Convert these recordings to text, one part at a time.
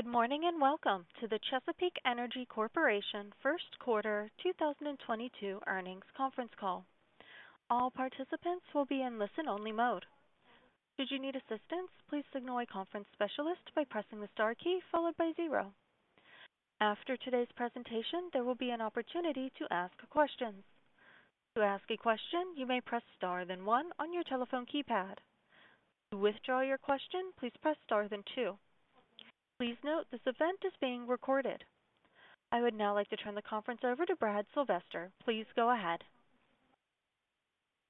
Good morning, and welcome to the Chesapeake Energy's Corporation first quarter 2022 earnings conference call. All participants will be in listen-only mode. Should you need assistance, please signal a conference specialist by pressing the star key followed by zero. After today's presentation, there will be an opportunity to ask questions. To ask a question, you may press star then one on your telephone keypad. To withdraw your question, please press star then two. Please note this event is being recorded. I would now like to turn the conference over to Brad Sylvester. Please go ahead.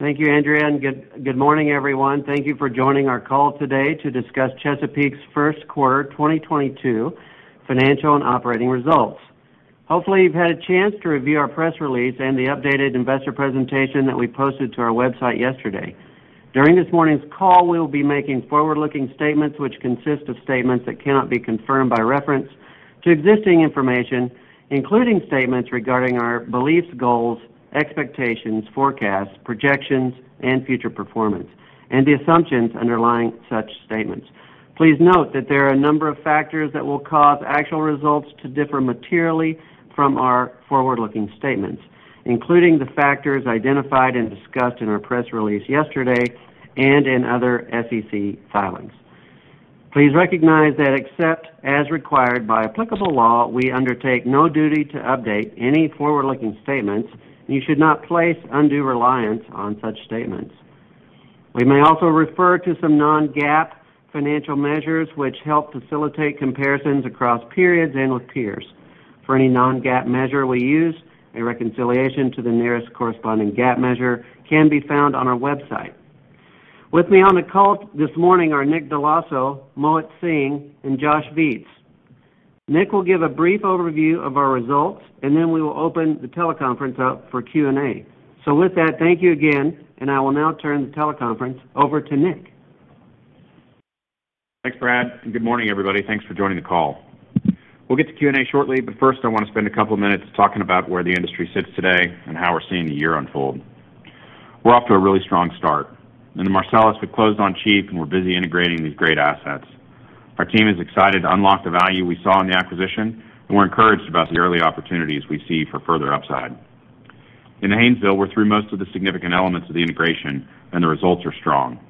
Thank you, Andrea, and good morning, everyone. Thank you for joining our call today to discuss Expand Energy's first quarter 2022 financial and operating results. Hopefully, you've had a chance to review our press release and the updated investor presentation that we posted to our website yesterday. During this morning's call, we'll be making forward-looking statements which consist of statements that cannot be confirmed by reference to existing information, including statements regarding our beliefs, goals, expectations, forecasts, projections, and future performance, and the assumptions underlying such statements. Please note that there are a number of factors that will cause actual results to differ materially from our forward-looking statements, including the factors identified and discussed in our press release yesterday and in other SEC filings. Please recognize that except as required by applicable law, we undertake no duty to update any forward-looking statements, and you should not place undue reliance on such statements. We may also refer to some non-GAAP financial measures which help facilitate comparisons across periods and with peers. For any non-GAAP measure we use, a reconciliation to the nearest corresponding GAAP measure can be found on our website. With me on the call this morning are Nick Dell'Osso, Mohit Singh, and Josh Viets. Nick will give a brief overview of our results, and then we will open the teleconference up for Q&A. With that, thank you again, and I will now turn the teleconference over to Nick. Thanks, Brad, and good morning, everybody. Thanks for joining the call. We'll get to Q&A shortly, but first I wanna spend a couple minutes talking about where the industry sits today and how we're seeing the year unfold. We're off to a really strong start. In the Marcellus, we closed on Chief, and we're busy integrating these great assets. Our team is excited to unlock the value we saw in the acquisition, and we're encouraged about the early opportunities we see for further upside. In the Haynesville, we're through most of the significant elements of the integration, and the results are strong.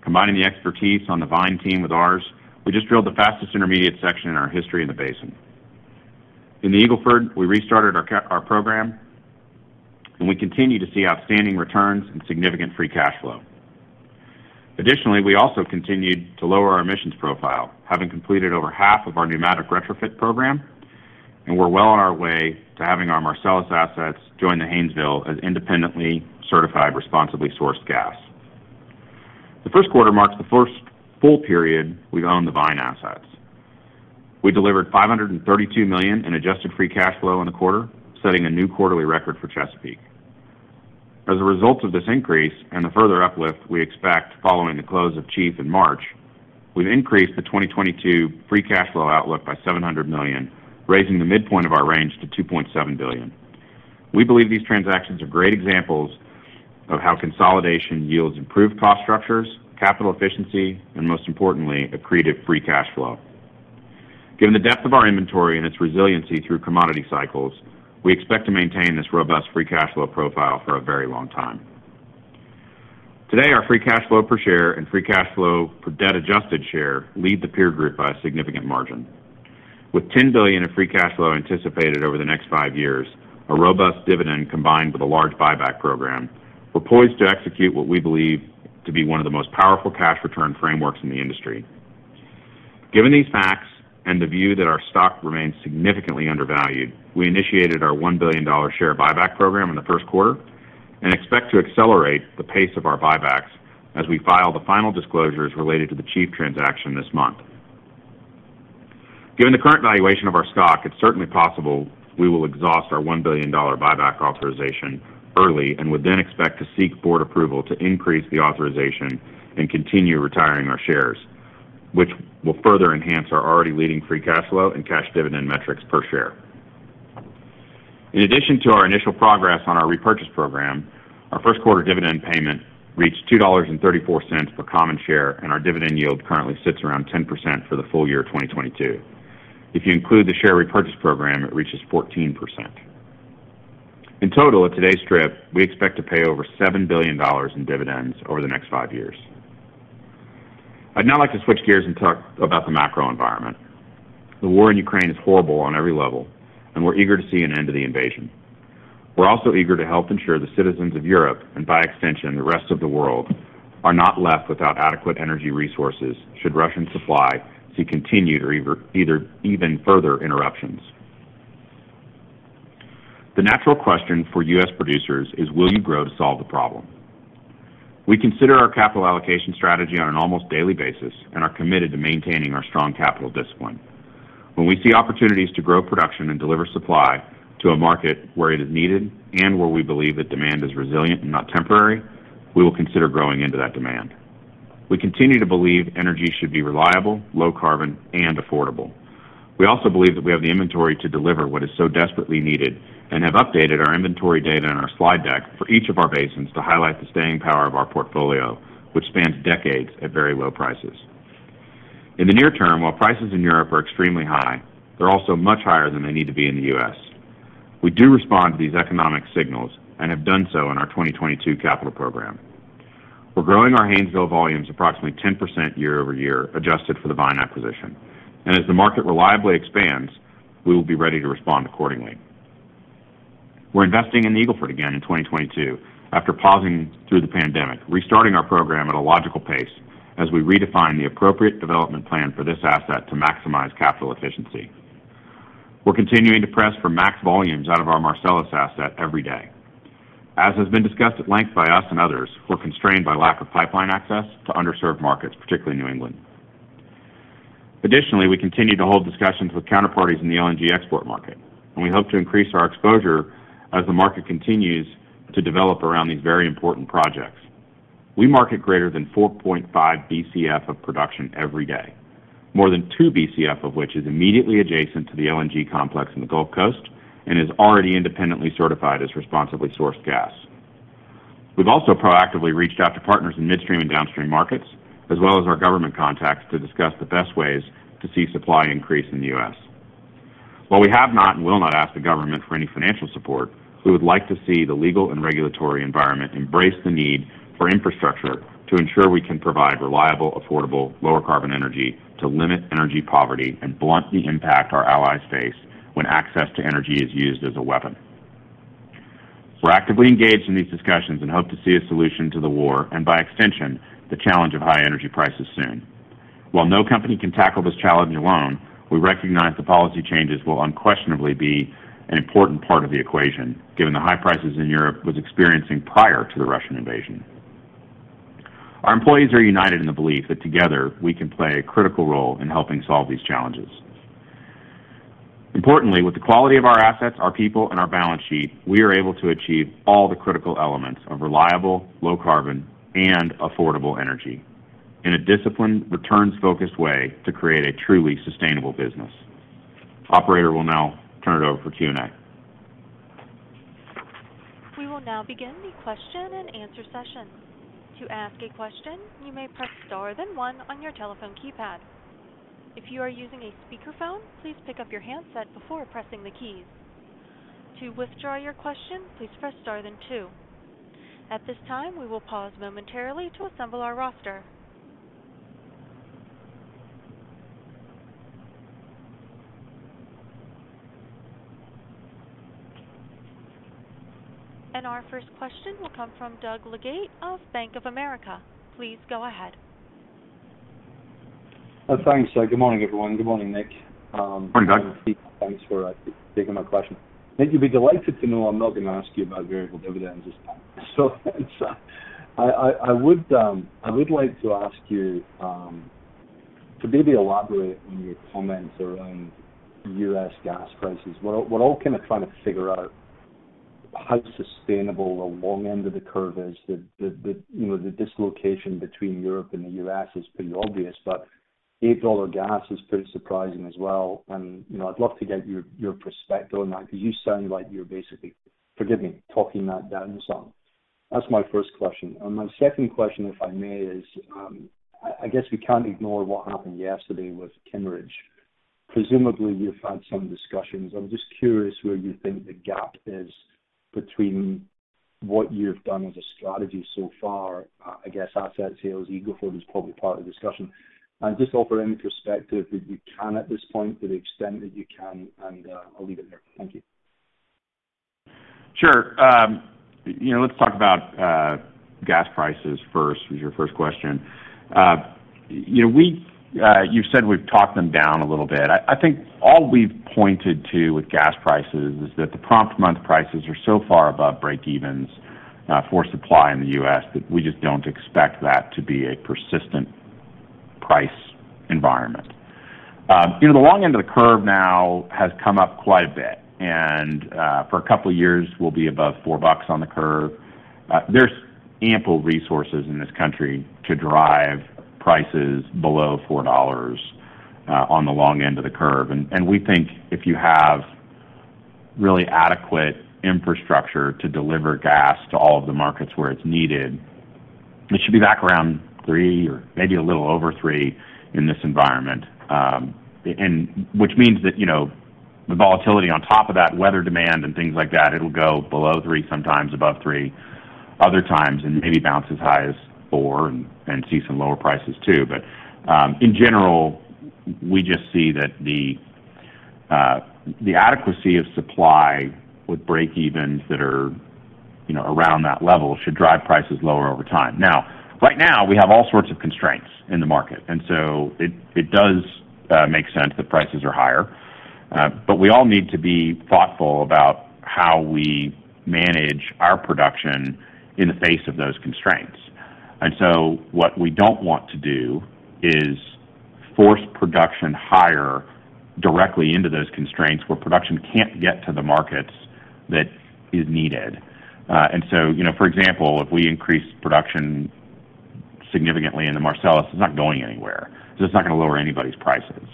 Combining the expertise on the Vine team with ours, we just drilled the fastest intermediate section in our history in the basin. In the Eagle Ford, we restarted our program, and we continue to see outstanding returns and significant free cash flow. Additionally, we also continued to lower our emissions profile, having completed over half of our pneumatic retrofit program, and we're well on our way to having our Marcellus assets join the Haynesville as independently certified responsibly sourced gas. The first quarter marks the first full period we've owned the Vine assets. We delivered $532 million in adjusted free cash flow in the quarter, setting a new quarterly record for Chesapeake Energy. As a result of this increase and the further uplift we expect following the close of Chief in March, we've increased the 2022 free cash flow outlook by $700 million, raising the midpoint of our range to $2.7 billion. We believe these transactions are great examples of how consolidation yields improved cost structures, capital efficiency, and most importantly, accreted free cash flow. Given the depth of our inventory and its resiliency through commodity cycles, we expect to maintain this robust free cash flow profile for a very long time. Today, our free cash flow per share and free cash flow per debt adjusted share lead the peer group by a significant margin. With $10 billion in free cash flow anticipated over the next five years, a robust dividend combined with a large buyback program, we're poised to execute what we believe to be one of the most powerful cash return frameworks in the industry. Given these facts and the view that our stock remains significantly undervalued, we initiated our $1 billion share buyback program in the first quarter and expect to accelerate the pace of our buybacks as we file the final disclosures related to the Chief transaction this month. Given the current valuation of our stock, it's certainly possible we will exhaust our $1 billion buyback authorization early and would then expect to seek board approval to increase the authorization and continue retiring our shares, which will further enhance our already leading free cash flow and cash dividend metrics per share. In addition to our initial progress on our repurchase program, our first quarter dividend payment reached $2.34 per common share, and our dividend yield currently sits around 10% for the full year 2022. If you include the share repurchase program, it reaches 14%. In total, at today's strip, we expect to pay over $7 billion in dividends over the next five years. I'd now like to switch gears and talk about the macro environment. The war in Ukraine is horrible on every level, and we're eager to see an end to the invasion. We're also eager to help ensure the citizens of Europe, and by extension, the rest of the world, are not left without adequate energy resources should Russian supply see continued or even further interruptions. The natural question for U.S. producers is, will you grow to solve the problem? We consider our capital allocation strategy on an almost daily basis and are committed to maintaining our strong capital discipline. When we see opportunities to grow production and deliver supply to a market where it is needed and where we believe that demand is resilient and not temporary, we will consider growing into that demand. We continue to believe energy should be reliable, low carbon, and affordable. We also believe that we have the inventory to deliver what is so desperately needed and have updated our inventory data in our slide deck for each of our basins to highlight the staying power of our portfolio, which spans decades at very low prices. In the near term, while prices in Europe are extremely high, they're also much higher than they need to be in the U.S. We do respond to these economic signals and have done so in our 2022 capital program. We're growing our Haynesville volumes approximately 10% year-over-year, adjusted for the Vine acquisition. As the market reliably expands, we will be ready to respond accordingly. We're investing in Eagle Ford again in 2022 after pausing through the pandemic, restarting our program at a logical pace as we redefine the appropriate development plan for this asset to maximize capital efficiency. We're continuing to press for max volumes out of our Marcellus asset every day. As has been discussed at length by us and others, we're constrained by lack of pipeline access to underserved markets, particularly New England. Additionally, we continue to hold discussions with counterparties in the LNG export market, and we hope to increase our exposure as the market continues to develop around these very important projects. We market greater than 4.5 BCF of production every day, more than 2 BCF of which is immediately adjacent to the LNG complex in the Gulf Coast and is already independently certified as responsibly sourced gas. We've also proactively reached out to partners in midstream and downstream markets, as well as our government contacts to discuss the best ways to see supply increase in the U.S. While we have not and will not ask the government for any financial support, we would like to see the legal and regulatory environment embrace the need for infrastructure to ensure we can provide reliable, affordable, lower carbon energy to limit energy poverty and blunt the impact our allies face when access to energy is used as a weapon. We're actively engaged in these discussions and hope to see a solution to the war, and by extension, the challenge of high energy prices soon. While no company can tackle this challenge alone, we recognize that policy changes will unquestionably be an important part of the equation, given the high prices Europe was experiencing prior to the Russian invasion. Our employees are united in the belief that together we can play a critical role in helping solve these challenges. Importantly, with the quality of our assets, our people, and our balance sheet, we are able to achieve all the critical elements of reliable, low carbon, and affordable energy in a disciplined, returns-focused way to create a truly sustainable business. Operator, we'll now turn it over for Q&A. We will now begin the question-and-answer session. To ask a question, you may press star then one on your telephone keypad. If you are using a speakerphone, please pick up your handset before pressing the keys. To withdraw your question, please press star then two. At this time, we will pause momentarily to assemble our roster. Our first question will come from Doug Leggate of Bank of America. Please go ahead. Thanks. Good morning, everyone. Good morning, Nick. Morning, Doug. Thanks for taking my question. Nick, you'd be delighted to know I'm not gonna ask you about variable dividends this time. I would like to ask you to maybe elaborate on your comments around U.S. gas prices. We're all kinda trying to figure out how sustainable the long end of the curve is. You know, the dislocation between Europe and the U.S. is pretty obvious, but $8 gas is pretty surprising as well. You know, I'd love to get your perspective on that 'cause you sound like you're basically, forgive me, talking that down some. That's my first question. My second question, if I may, is I guess we can't ignore what happened yesterday with Kimmeridge. Presumably, you've had some discussions. I'm just curious where you think the gap is between what you've done as a strategy so far. I guess asset sales, Eagle Ford is probably part of the discussion. Just offer any perspective that you can at this point to the extent that you can, and I'll leave it there. Thank you. Sure. You know, let's talk about gas prices first, was your first question. You know, we you said we've talked them down a little bit. I think all we've pointed to with gas prices is that the prompt month prices are so far above breakevens for supply in the U.S. that we just don't expect that to be a persistent price environment. You know, the long end of the curve now has come up quite a bit, and for a couple of years will be above $4 on the curve. There's ample resources in this country to drive prices below $4 on the long end of the curve. We think if you have really adequate infrastructure to deliver gas to all of the markets where it's needed, it should be back around $3 or maybe a little over $3 in this environment. Which means that, you know, the volatility on top of that, weather demand and things like that, it'll go below $3, sometimes above $3 other times, and maybe bounce as high as $4 and see some lower prices too. In general, we just see that the adequacy of supply with breakevens that are, you know, around that level should drive prices lower over time. Now, right now, we have all sorts of constraints in the market, and so it does make sense that prices are higher. We all need to be thoughtful about how we manage our production in the face of those constraints. What we don't want to do is force production higher directly into those constraints where production can't get to the markets that is needed. You know, for example, if we increase production significantly into Marcellus, it's not going anywhere, so it's not gonna lower anybody's prices.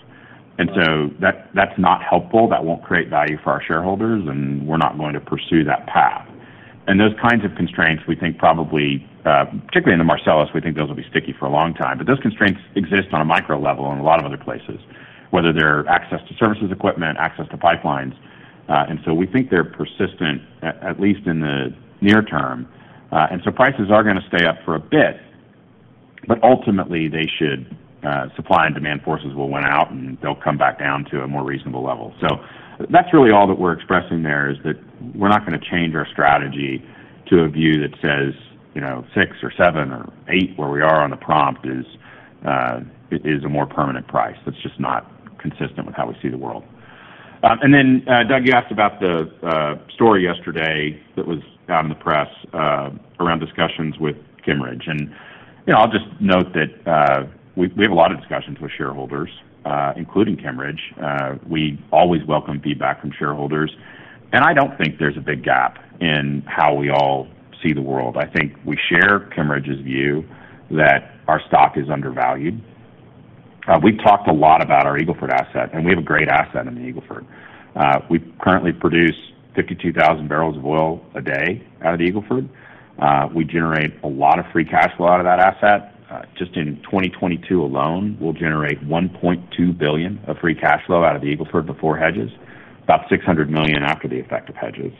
That, that's not helpful. That won't create value for our shareholders, and we're not going to pursue that path. Those kinds of constraints, we think probably, particularly in the Marcellus, we think those will be sticky for a long time. Those constraints exist on a micro level in a lot of other places, whether they're access to services, equipment, access to pipelines. We think they're persistent at least in the near term. Prices are gonna stay up for a bit, but ultimately, they should supply and demand forces will win out, and they'll come back down to a more reasonable level. That's really all that we're expressing there, is that we're not gonna change our strategy to a view that says, you know, 6 or 7 or 8, where we are on the prompt, is a more permanent price. That's just not consistent with how we see the world. Doug, you asked about the story yesterday that was out in the press around discussions with Kimmeridge. You know, I'll just note that we have a lot of discussions with shareholders, including Kimmeridge. We always welcome feedback from shareholders, and I don't think there's a big gap in how we all see the world. I think we share Kimmeridge's view that our stock is undervalued. We've talked a lot about our Eagle Ford asset, and we have a great asset in the Eagle Ford. We currently produce 52,000 barrels of oil a day out of the Eagle Ford. We generate a lot of free cash flow out of that asset. Just in 2022 alone, we'll generate $1.2 billion of free cash flow out of the Eagle Ford before hedges. About $600 million after the effect of hedges.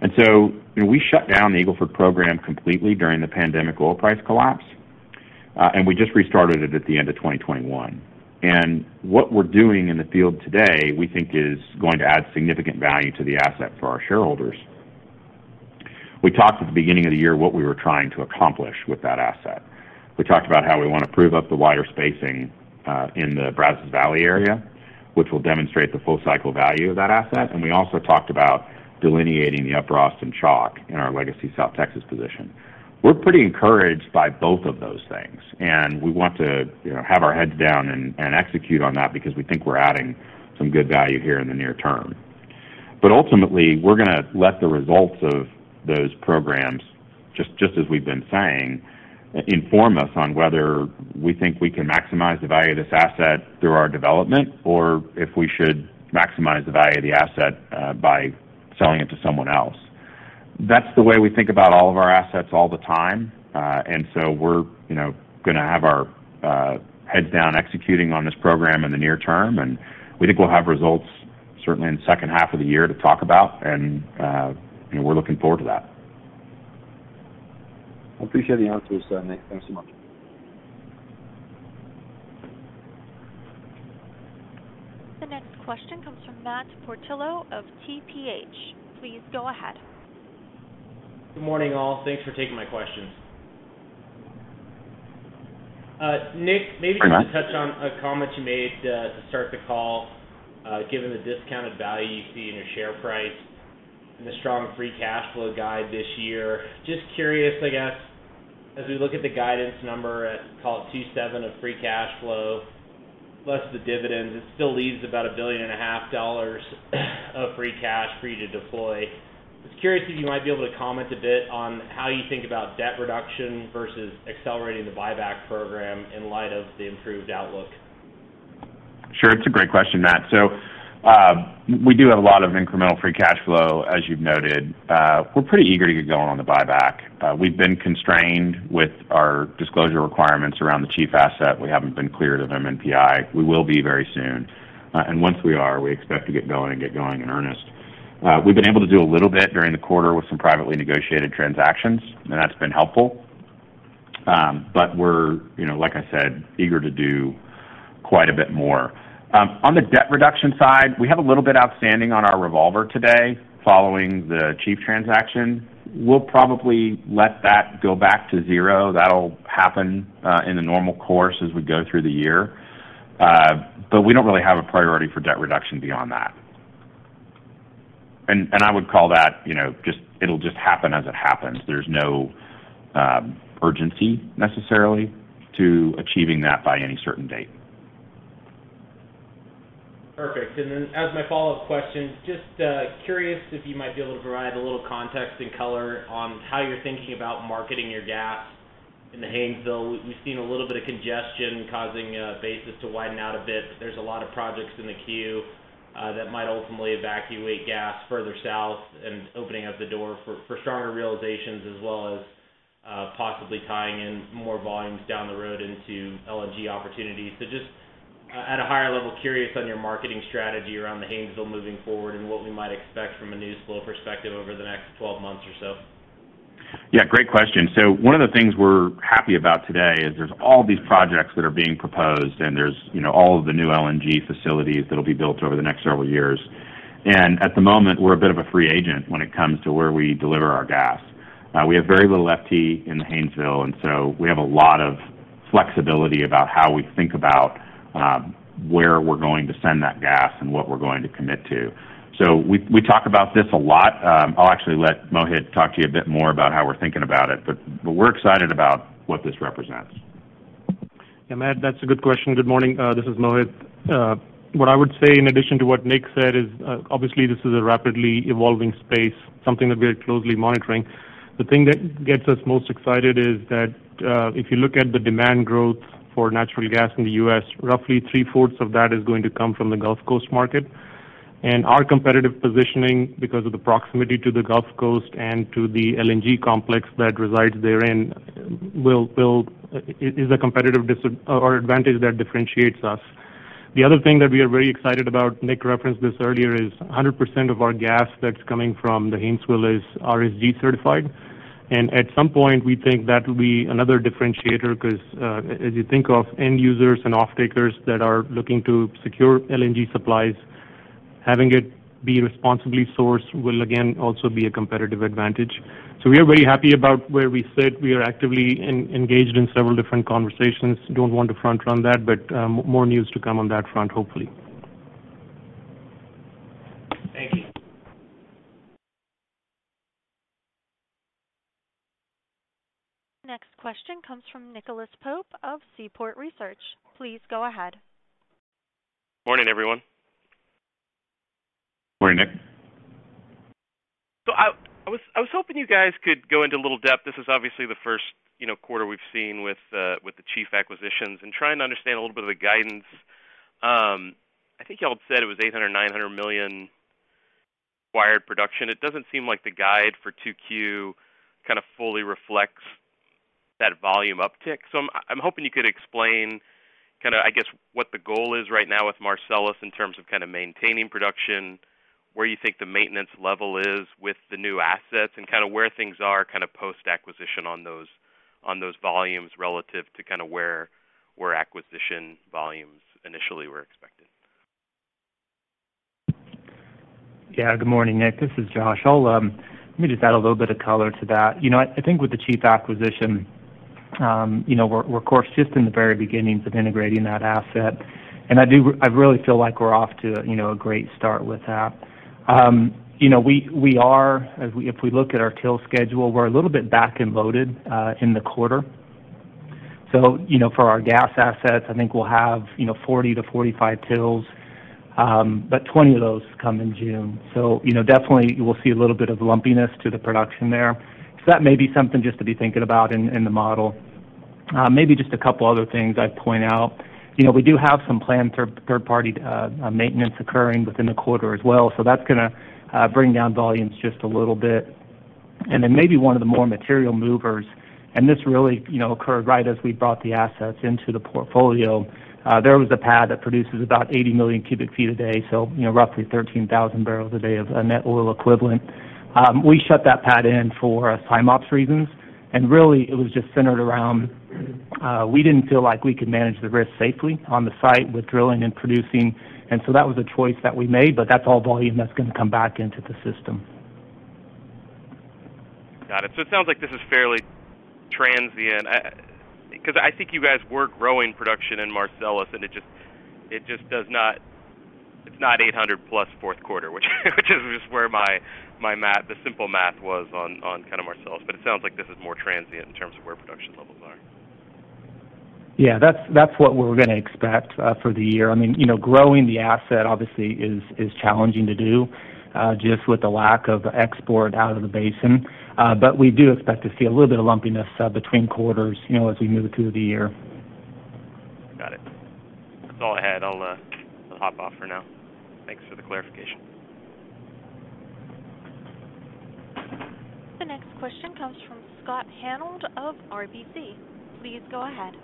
You know, we shut down the Eagle Ford program completely during the pandemic oil price collapse, and we just restarted it at the end of 2021. What we're doing in the field today, we think is going to add significant value to the asset for our shareholders. We talked at the beginning of the year what we were trying to accomplish with that asset. We talked about how we wanna prove up the wider spacing in the Brazos Valley area, which will demonstrate the full cycle value of that asset. We also talked about delineating the Upper Austin Chalk in our legacy South Texas position. We're pretty encouraged by both of those things, and we want to, you know, have our heads down and execute on that because we think we're adding some good value here in the near term. Ultimately, we're gonna let the results of those programs, just as we've been saying, inform us on whether we think we can maximize the value of this asset through our development, or if we should maximize the value of the asset by selling it to someone else. That's the way we think about all of our assets all the time. We're, you know, gonna have our heads down executing on this program in the near term, and we think we'll have results certainly in the second half of the year to talk about, and, you know, we're looking forward to that. I appreciate the answers, Nick. Thanks so much. The next question comes from Matt Portillo of TPH & Co. Please go ahead. Good morning, all. Thanks for taking my questions. Nick, maybe Hi, Matt. Just to touch on a comment you made, to start the call, given the discounted value you see in your share price and the strong free cash flow guide this year. Just curious, I guess, as we look at the guidance number at call it $2.7 billion of free cash flow plus the dividends, it still leaves about $1.5 billion of free cash for you to deploy. Just curious if you might be able to comment a bit on how you think about debt reduction versus accelerating the buyback program in light of the improved outlook? Sure. It's a great question, Matt. We do have a lot of incremental free cash flow, as you've noted. We're pretty eager to get going on the buyback. We've been constrained with our disclosure requirements around the Chief asset. We haven't been cleared of MNPI. We will be very soon. Once we are, we expect to get going in earnest. We've been able to do a little bit during the quarter with some privately negotiated transactions, and that's been helpful. We're, you know, like I said, eager to do quite a bit more. On the debt reduction side, we have a little bit outstanding on our revolver today following the Chief transaction. We'll probably let that go back to zero. That'll happen in the normal course as we go through the year. We don't really have a priority for debt reduction beyond that. I would call that, you know, it'll just happen as it happens. There's no urgency necessarily to achieving that by any certain date. Perfect. Then as my follow-up question, just curious if you might be able to provide a little context and color on how you're thinking about marketing your gas in the Haynesville. We've seen a little bit of congestion causing basis to widen out a bit, but there's a lot of projects in the queue that might ultimately evacuate gas further south and opening up the door for stronger realizations as well as possibly tying in more volumes down the road into LNG opportunities. Just at a higher level, curious on your marketing strategy around the Haynesville moving forward and what we might expect from a news flow perspective over the next twelve months or so. Yeah, great question. One of the things we're happy about today is there's all these projects that are being proposed and there's, you know, all of the new LNG facilities that'll be built over the next several years. At the moment, we're a bit of a free agent when it comes to where we deliver our gas. We have very little FT in the Haynesville, and so we have a lot of flexibility about how we think about where we're going to send that gas and what we're going to commit to. We talk about this a lot. I'll actually let Mohit talk to you a bit more about how we're thinking about it, but we're excited about what this represents. Yeah, Matt, that's a good question. Good morning. This is Mohit. What I would say in addition to what Nick said is, obviously this is a rapidly evolving space, something that we are closely monitoring. The thing that gets us most excited is that, if you look at the demand growth for natural gas in the U.S., roughly three-fourths of that is going to come from the Gulf Coast market. Our competitive positioning because of the proximity to the Gulf Coast and to the LNG complex that resides therein is a competitive advantage that differentiates us. The other thing that we are very excited about, Nick referenced this earlier, is 100% of our gas that's coming from the Haynesville is RSG certified. At some point, we think that will be another differentiator because, as you think of end users and offtakers that are looking to secure LNG supplies, having it be responsibly sourced will again also be a competitive advantage. We are very happy about where we sit. We are actively engaged in several different conversations. Don't want to front run that, but, more news to come on that front, hopefully. Thank you. Next question comes from Nicholas Pope of Seaport Research. Please go ahead. Morning, everyone. Morning, Nick. I was hoping you guys could go into a little depth. This is obviously the first quarter we've seen with the Chief acquisitions and trying to understand a little bit of the guidance. I think y'all said it was $800-$900 million acquired production. It doesn't seem like the guide for 2Q kinda fully reflects that volume uptick. I'm hoping you could explain kinda, I guess, what the goal is right now with Marcellus in terms of kinda maintaining production, where you think the maintenance level is with the new assets, and kinda where things are kinda post-acquisition on those volumes relative to kinda where acquisition volumes initially were expected. Yeah. Good morning, Nick. This is Josh. I'll let me just add a little bit of color to that. You know, I think with the Chief acquisition, you know, we're of course just in the very beginnings of integrating that asset. I really feel like we're off to a great start with that. You know, we are. If we look at our well schedule, we're a little bit back-end loaded in the quarter. You know, for our gas assets, I think we'll have 40-45 wells, but 20 of those come in June. You know, definitely you will see a little bit of lumpiness to the production there. That may be something just to be thinking about in the model. Maybe just a couple other things I'd point out. You know, we do have some planned third-party maintenance occurring within the quarter as well, so that's gonna bring down volumes just a little bit. Then maybe one of the more material movers, this really, you know, occurred right as we brought the assets into the portfolio. There was a pad that produces about 80 million cubic feet a day, so, you know, roughly 13,000 barrels a day of a net oil equivalent. We shut that pad in for tie-in ops reasons, and really it was just centered around, we didn't feel like we could manage the risk safely on the site with drilling and producing. That was a choice that we made, but that's all volume that's gonna come back into the system. Got it. It sounds like this is fairly transient. Because I think you guys were growing production in Marcellus, and it just does not. It's not 800+ fourth quarter, which is just where my math, the simple math was on kinda Marcellus. It sounds like this is more transient in terms of where production levels are. Yeah. That's what we're gonna expect for the year. I mean, you know, growing the asset obviously is challenging to do just with the lack of export out of the basin. We do expect to see a little bit of lumpiness between quarters, you know, as we move through the year. Got it. That's all I had. I'll hop off for now. Thanks for the clarification. The next question comes from Scott Hanold of RBC. Please go ahead.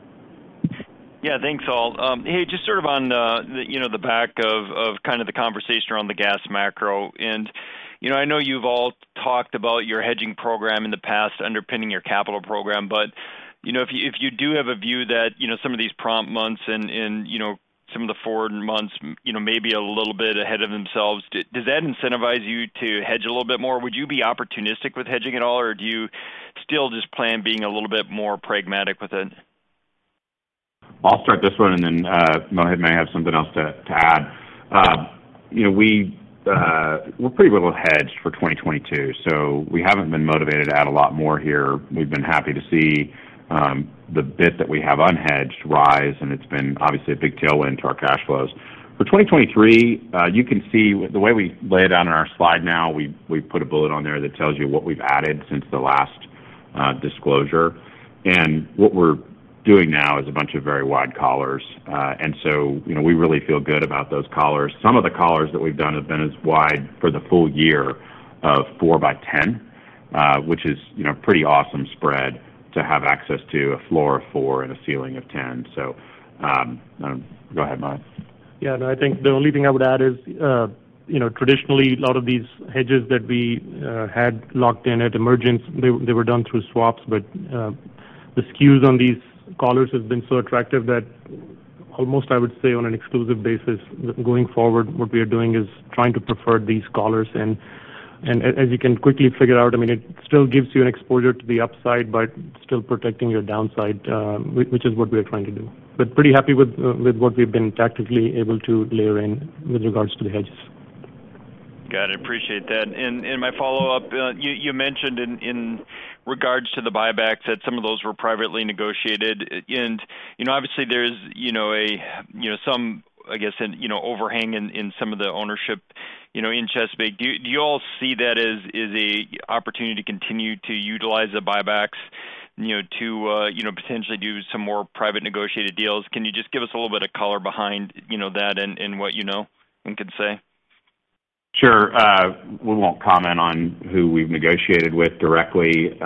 Yeah. Thanks, all. Hey, just sort of on the, you know, the back of kind of the conversation around the gas macro. You know, I know you've all talked about your hedging program in the past underpinning your capital program. You know, if you do have a view that, you know, some of these prompt months and, you know, some of the forward months, you know, may be a little bit ahead of themselves, does that incentivize you to hedge a little bit more? Would you be opportunistic with hedging at all, or do you still just plan being a little bit more pragmatic with it? I'll start this one, and then Mohit may have something else to add. You know, we're pretty well hedged for 2022, so we haven't been motivated to add a lot more here. We've been happy to see the bit that we have unhedged rise, and it's been obviously a big tailwind to our cash flows. For 2023, you can see the way we lay it out on our slide now, we put a bullet on there that tells you what we've added since the last disclosure. What we're doing now is a bunch of very wide collars. You know, we really feel good about those collars. Some of the collars that we've done have been as wide for the full year of $4 by $10, which is, you know, pretty awesome spread to have access to a floor of $4 and a ceiling of $10. Go ahead, Mohit. Yeah, no, I think the only thing I would add is you know, traditionally, a lot of these hedges that we had locked in at emergence, they were done through swaps. The SKUs on these collars have been so attractive that almost, I would say, on an exclusive basis going forward, what we are doing is trying to prefer these collars. As you can quickly figure out, I mean, it still gives you an exposure to the upside, but still protecting your downside, which is what we are trying to do. Pretty happy with what we've been tactically able to layer in with regards to the hedges. Got it. Appreciate that. My follow-up, you mentioned in regards to the buybacks that some of those were privately negotiated. You know, obviously there is you know some I guess an you know overhang in some of the ownership you know in Chesapeake. Do you all see that as a opportunity to continue to utilize the buybacks you know to potentially do some more private negotiated deals? Can you just give us a little bit of color behind you know that and what you know and could say? Sure. We won't comment on who we've negotiated with directly.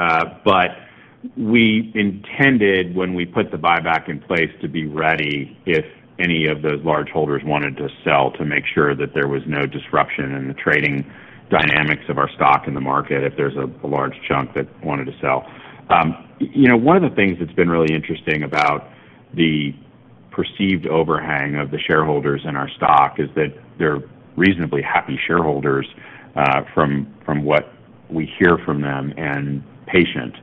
We intended, when we put the buyback in place, to be ready if any of those large holders wanted to sell to make sure that there was no disruption in the trading dynamics of our stock in the market if there's a large chunk that wanted to sell. You know, one of the things that's been really interesting about the perceived overhang of the shareholders in our stock is that they're reasonably happy shareholders, from what we hear from them, and patient.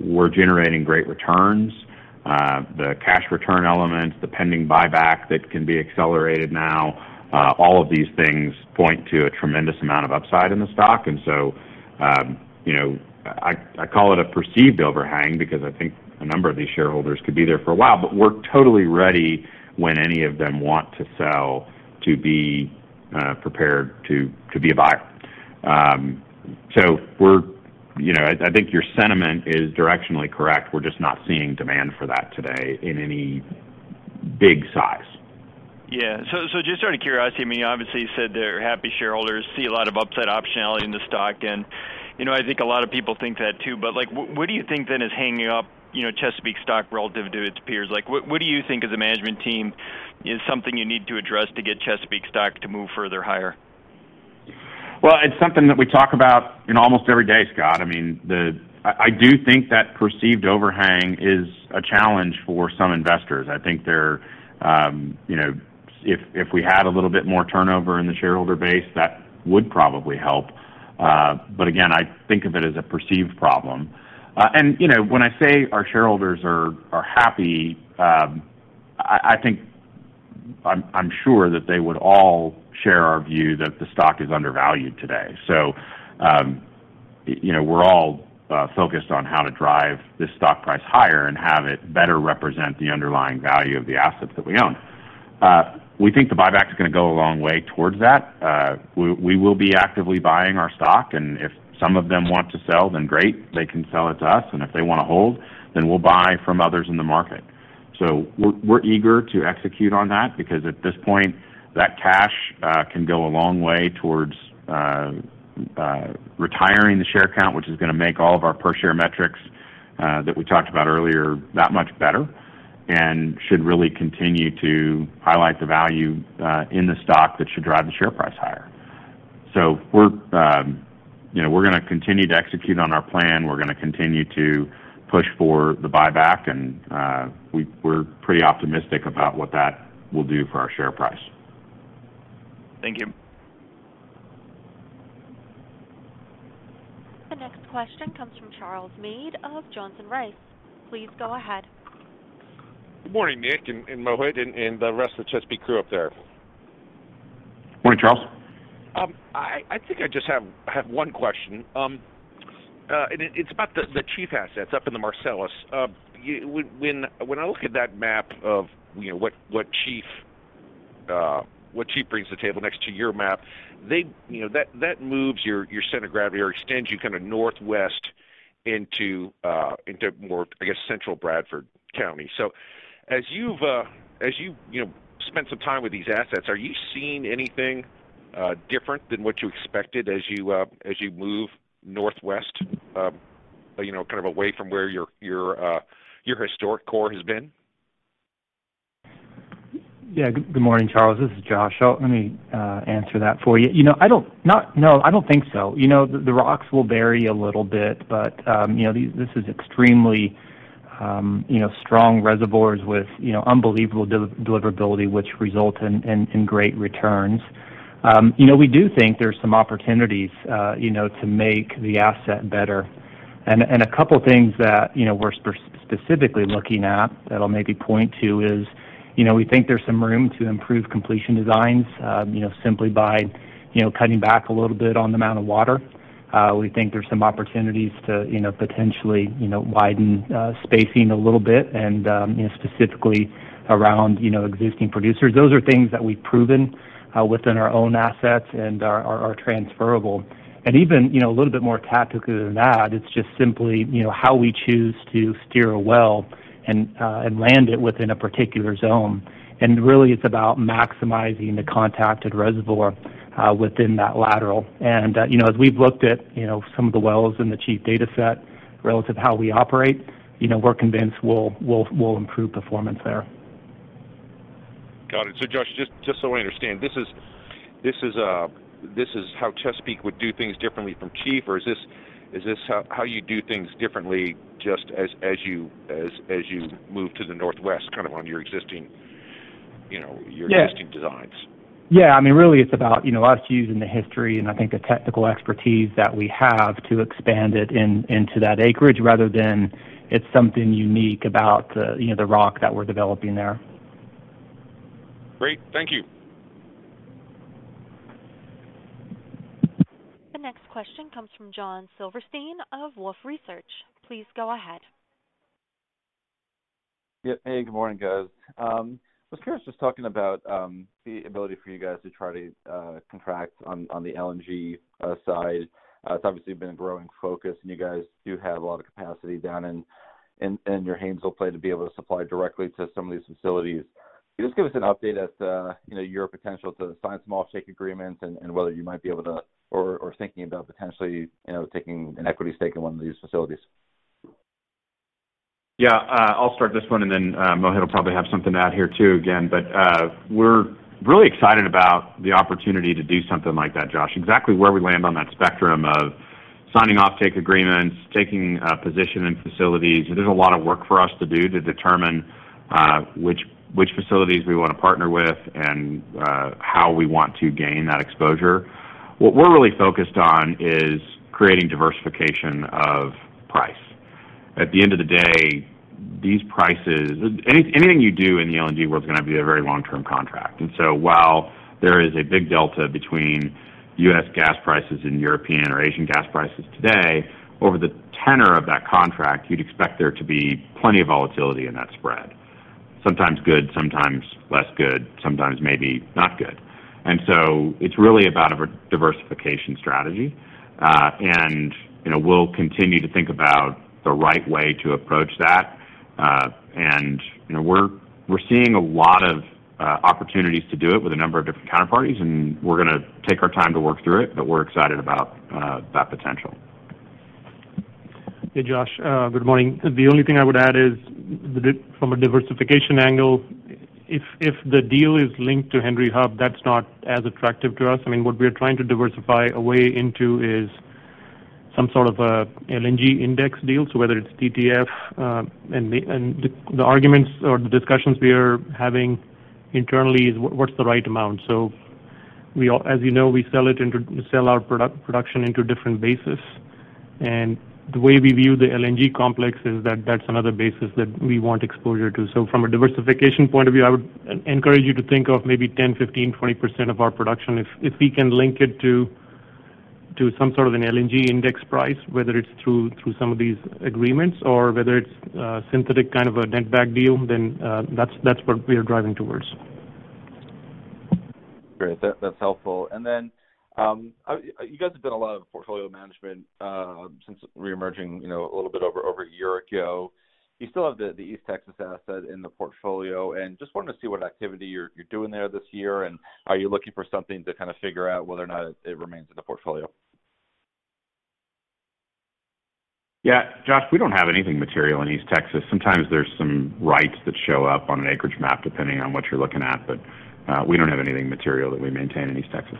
We're generating great returns. The cash return elements, the pending buyback that can be accelerated now, all of these things point to a tremendous amount of upside in the stock. I call it a perceived overhang because I think a number of these shareholders could be there for a while, but we're totally ready when any of them want to sell to be prepared to be a buyer. I think your sentiment is directionally correct. We're just not seeing demand for that today in any big size. Yeah. Just out of curiosity, I mean, you obviously said they're happy shareholders, see a lot of upside optionality in the stock, and, you know, I think a lot of people think that too. Like, what do you think then is hanging up, you know, Chesapeake stock relative to its peers? Like, what do you think as a management team is something you need to address to get Chesapeake stock to move further higher? Well, it's something that we talk about, you know, almost every day, Scott. I mean, I do think that perceived overhang is a challenge for some investors. I think they're, you know. If we had a little bit more turnover in the shareholder base, that would probably help. Again, I think of it as a perceived problem. You know, when I say our shareholders are happy, I think, I'm sure that they would all share our view that the stock is undervalued today. You know, we're all focused on how to drive this stock price higher and have it better represent the underlying value of the assets that we own. We think the buyback's gonna go a long way towards that. We will be actively buying our stock, and if some of them want to sell, then great, they can sell it to us. If they wanna hold, then we'll buy from others in the market. We're eager to execute on that because at this point, that cash can go a long way towards retiring the share count, which is gonna make all of our per share metrics that we talked about earlier that much better and should really continue to highlight the value in the stock that should drive the share price higher. We're, you know, we're gonna continue to execute on our plan. We're gonna continue to push for the buyback, and we're pretty optimistic about what that will do for our share price. Thank you. The next question comes from Charles Meade of Johnson Rice. Please go ahead. Good morning, Nick and Mohit, and the rest of the Expand crew up there. Morning, Charles. I think I just have one question. It's about the Chief assets up in the Marcellus. When I look at that map of, you know, what Chief brings to the table next to your map, you know, that moves your center of gravity or extends you kind of northwest into more, I guess, central Bradford County. As you've, you know, spent some time with these assets, are you seeing anything different than what you expected as you move northwest, you know, kind of away from where your historic core has been? Yeah. Good morning, Charles. This is Josh. Let me answer that for you. You know, I don't think so. You know, the rocks will vary a little bit, but you know, this is extremely you know, strong reservoirs with you know, unbelievable deliverability, which result in great returns. You know, we do think there's some opportunities you know, to make the asset better. A couple things that you know, we're specifically looking at that I'll maybe point to is you know, we think there's some room to improve completion designs you know, simply by you know, cutting back a little bit on the amount of water. We think there's some opportunities to, you know, potentially, you know, widen spacing a little bit and, you know, specifically around, you know, existing producers. Those are things that we've proven within our own assets and are transferable. Even, you know, a little bit more tactically than that, it's just simply, you know, how we choose to steer a well and land it within a particular zone. Really it's about maximizing the contacted reservoir within that lateral. You know, as we've looked at, you know, some of the wells in the Chief data set relative to how we operate, you know, we're convinced we'll improve performance there. Got it. Josh, just so I understand, this is how Chesapeake would do things differently from Chief, or is this how you do things differently just as you move to the northwest, kind of on your existing, you know? Yeah your existing designs? Yeah. I mean, really it's about, you know, us using the history, and I think the technical expertise that we have to expand it into that acreage rather than it's something unique about the, you know, the rock that we're developing there. Great. Thank you. This question comes from Josh Silverstein of Wolfe Research. Please go ahead. Yeah. Hey, good morning, guys. Was curious just talking about the ability for you guys to try to contract on the LNG side. It's obviously been a growing focus, and you guys do have a lot of capacity down in your Haynesville play to be able to supply directly to some of these facilities. Can you just give us an update at your potential to sign some offtake agreements and whether you might be able to or thinking about potentially taking an equity stake in one of these facilities? Yeah, I'll start this one, and then, Mohit will probably have something to add here too, again. We're really excited about the opportunity to do something like that, Josh. Exactly where we land on that spectrum of signing offtake agreements, taking position in facilities. There's a lot of work for us to do to determine which facilities we wanna partner with and how we want to gain that exposure. What we're really focused on is creating diversification of price. At the end of the day, these prices. Anything you do in the LNG world is gonna be a very long-term contract. While there is a big delta between U.S. gas prices and European or Asian gas prices today, over the tenor of that contract, you'd expect there to be plenty of volatility in that spread. Sometimes good, sometimes less good, sometimes maybe not good. It's really about a diversification strategy. You know, we'll continue to think about the right way to approach that. You know, we're seeing a lot of opportunities to do it with a number of different counterparties, and we're gonna take our time to work through it, but we're excited about that potential. Hey, Josh. Good morning. The only thing I would add is from a diversification angle, if the deal is linked to Henry Hub, that's not as attractive to us. I mean, what we are trying to diversify away into is some sort of a LNG index deal. Whether it's TTF, and the arguments or the discussions we are having internally is what's the right amount. As you know, we sell our production into different bases. The way we view the LNG complex is that that's another basis that we want exposure to. From a diversification point of view, I would encourage you to think of maybe 10, 15, 20% of our production. If we can link it to some sort of an LNG index price, whether it's through some of these agreements or whether it's synthetic kind of a netback deal, then that's what we are driving towards. Great. That's helpful. You guys have done a lot of portfolio management since reemerging, you know, a little bit over a year ago. You still have the East Texas asset in the portfolio, and just wanted to see what activity you're doing there this year, and are you looking for something to kind of figure out whether or not it remains in the portfolio? Yeah. Josh, we don't have anything material in East Texas. Sometimes there's some rights that show up on an acreage map, depending on what you're looking at, but we don't have anything material that we maintain in East Texas.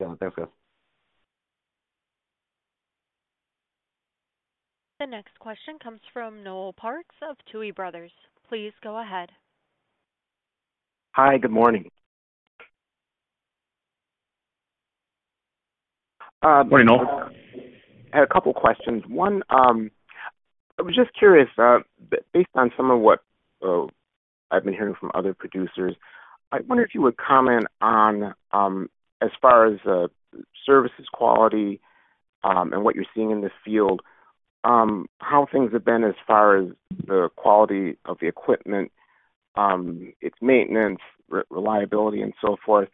Yeah. Thanks, guys. The next question comes from Noel Parks of Tuohy Brothers. Please go ahead. Hi, good morning. Morning, Noel. I had a couple questions. One, I was just curious, based on some of what I've been hearing from other producers, I wonder if you would comment on, as far as, services quality, and what you're seeing in this field, how things have been as far as the quality of the equipment, its maintenance, reliability, and so forth.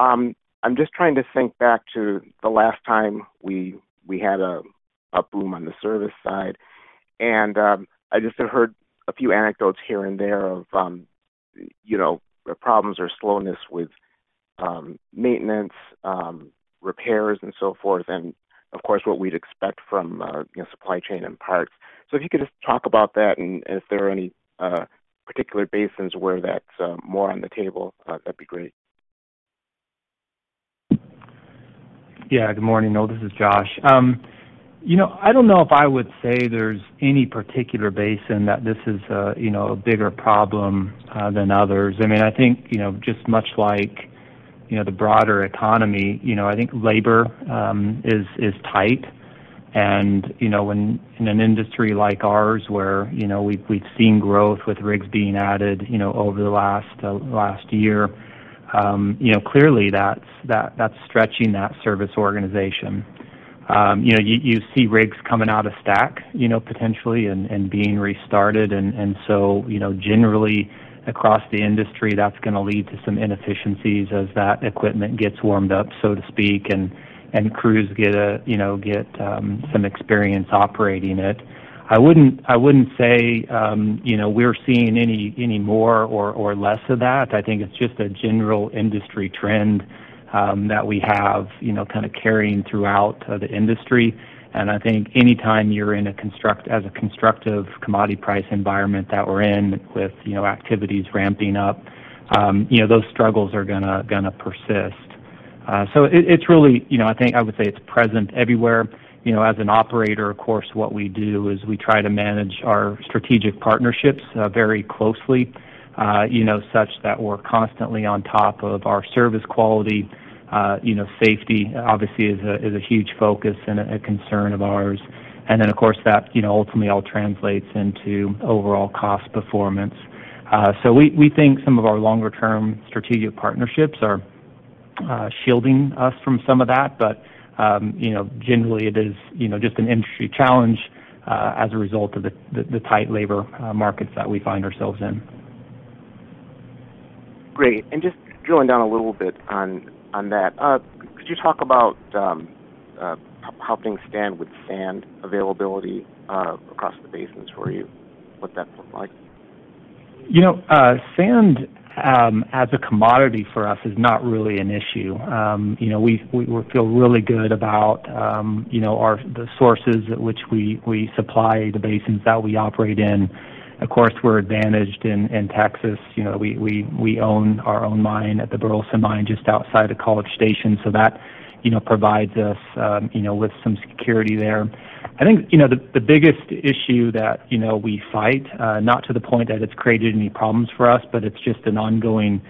I'm just trying to think back to the last time we had a boom on the service side. I just have heard a few anecdotes here and there of, you know, problems or slowness with, maintenance, repairs, and so forth, and of course, what we'd expect from a, you know, supply chain and parts. If you could just talk about that and if there are any particular basins where that's more on the table, that'd be great. Yeah. Good morning, Noel. This is Josh. You know, I don't know if I would say there's any particular basin that this is a bigger problem than others. I mean, I think, you know, just much like, you know, the broader economy, you know, I think labor is tight. You know, when in an industry like ours, where, you know, we've seen growth with rigs being added, you know, over the last year, you know, clearly that's stretching that service organization. You know, you see rigs coming out of stack, you know, potentially and being restarted. You know, generally across the industry, that's gonna lead to some inefficiencies as that equipment gets warmed up, so to speak, and crews get some experience operating it. I wouldn't say you know, we're seeing any more or less of that. I think it's just a general industry trend that we have, you know, kind of carrying throughout the industry. I think anytime you're in a constructive commodity price environment that we're in with, you know, activities ramping up, you know, those struggles are gonna persist. So it's really, you know, I think I would say it's present everywhere. You know, as an operator, of course, what we do is we try to manage our strategic partnerships very closely, you know, such that we're constantly on top of our service quality. You know, safety obviously is a huge focus and a concern of ours. Then, of course, that, you know, ultimately all translates into overall cost performance. We think some of our longer-term strategic partnerships are shielding us from some of that. You know, generally it is, you know, just an industry challenge as a result of the tight labor markets that we find ourselves in. Great. Just drilling down a little bit on that. Could you talk about how things stand with sand availability across the basins for you, what that looked like? You know, sand as a commodity for us is not really an issue. You know, we feel really good about you know, the sources at which we supply the basins that we operate in. Of course, we're advantaged in Texas. You know, we own our own mine at the Burleson Mine, just outside of College Station. So that you know, provides us you know, with some security there. I think you know, the biggest issue that you know, we fight not to the point that it's created any problems for us, but it's just an ongoing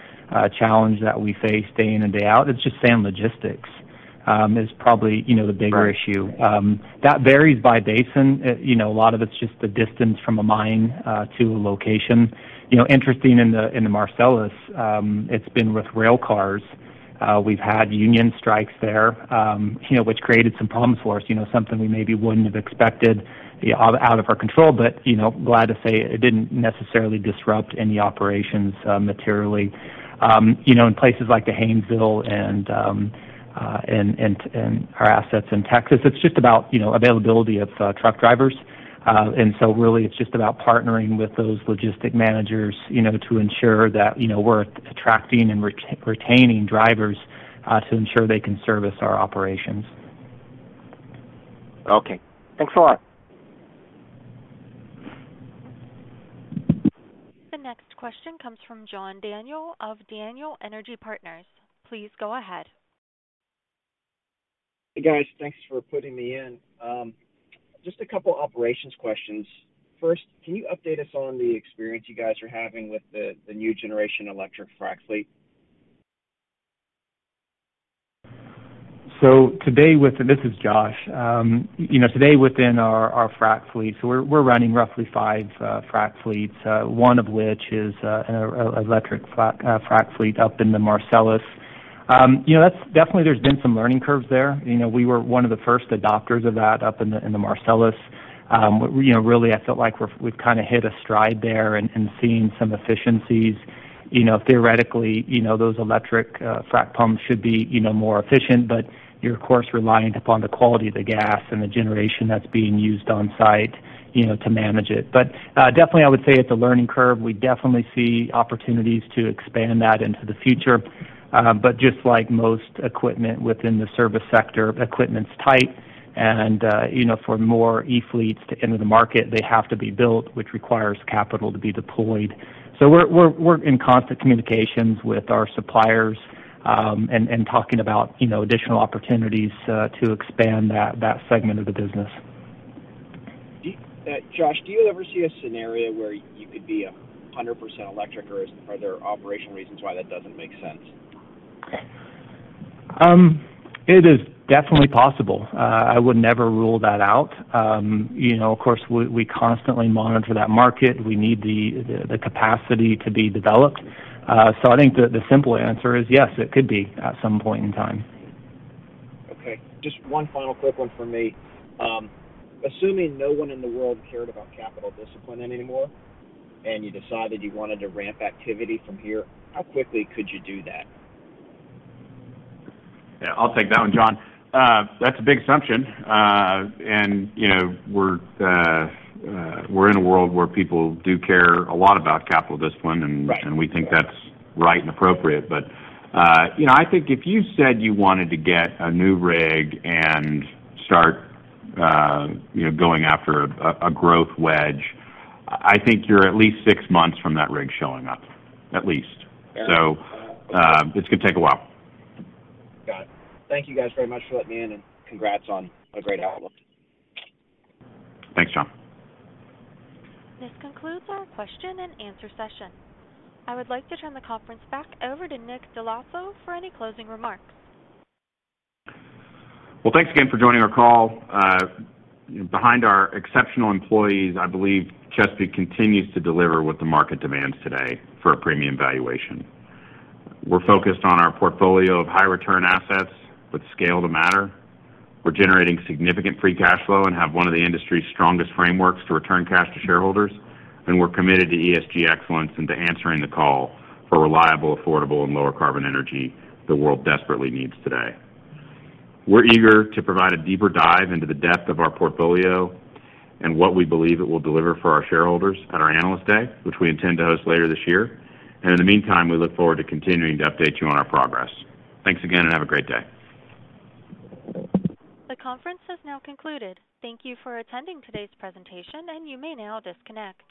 challenge that we face day in and day out. It's just sand logistics is probably you know, the bigger issue. That varies by basin. You know, a lot of it's just the distance from a mine to a location. You know, interesting in the Marcellus, it's been with rail cars. We've had union strikes there, you know, which created some problems for us. You know, something we maybe wouldn't have expected out of our control, but, you know, glad to say it didn't necessarily disrupt any operations materially. You know, in places like the Haynesville and our assets in Texas, it's just about, you know, availability of truck drivers. Really it's just about partnering with those logistics managers, you know, to ensure that, you know, we're attracting and retaining drivers to ensure they can service our operations. Okay. Thanks a lot. The next question comes from John Daniel of Daniel Energy Partners. Please go ahead. Hey, guys. Thanks for putting me in. Just a couple operations questions. First, can you update us on the experience you guys are having with the new generation electric frac fleet? This is Josh. You know, today within our frac fleets, we're running roughly five frac fleets, one of which is an electric frac fleet up in the Marcellus. You know, that's definitely there's been some learning curves there. You know, we were one of the first adopters of that up in the Marcellus. But you know, really, I felt like we've kinda hit a stride there and seeing some efficiencies. You know, theoretically, you know, those electric frac pumps should be, you know, more efficient, but you're of course reliant upon the quality of the gas and the generation that's being used on site, you know, to manage it. But definitely I would say it's a learning curve. We definitely see opportunities to expand that into the future. Just like most equipment within the service sector, equipment's tight and, you know, for more e-fleets to enter the market, they have to be built, which requires capital to be deployed. We're in constant communications with our suppliers and talking about, you know, additional opportunities to expand that segment of the business. Josh, do you ever see a scenario where you could be 100% electric, or are there operational reasons why that doesn't make sense? It is definitely possible. I would never rule that out. You know, of course we constantly monitor that market. We need the capacity to be developed. I think the simple answer is yes, it could be at some point in time. Okay. Just one final quick one from me. Assuming no one in the world cared about capital discipline anymore, and you decided you wanted to ramp activity from here, how quickly could you do that? Yeah, I'll take that one, John. That's a big assumption. You know, we're in a world where people do care a lot about capital discipline. Right. We think that's right and appropriate. You know, I think if you said you wanted to get a new rig and start, you know, going after a growth wedge, I think you're at least six months from that rig showing up, at least. Yeah. It's gonna take a while. Got it. Thank you guys very much for letting me in, and congrats on a great outlook. Thanks, John. This concludes our question-and-answer session. I would like to turn the conference back over to Nick Dell'Osso for any closing remarks. Well, thanks again for joining our call. Behind our exceptional employees, I believe Expand Energy continues to deliver what the market demands today for a premium valuation. We're focused on our portfolio of high return assets with scale to matter. We're generating significant free cash flow and have one of the industry's strongest frameworks to return cash to shareholders, and we're committed to ESG excellence and to answering the call for reliable, affordable, and lower carbon energy the world desperately needs today. We're eager to provide a deeper dive into the depth of our portfolio and what we believe it will deliver for our shareholders at our Analyst Day, which we intend to host later this year. In the meantime, we look forward to continuing to update you on our progress. Thanks again, and have a great day. The conference has now concluded. Thank you for attending today's presentation, and you may now disconnect.